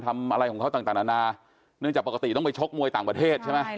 ทำอะไรของเขาต่างนานาเนื่องจากปกติต้องไปชกมวยต่างประเทศใช่ไหม